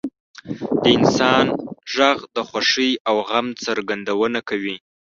• د انسان ږغ د خوښۍ او غم څرګندونه کوي.